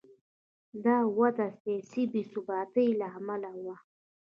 دا وده د سیاسي بې ثباتۍ له امله و.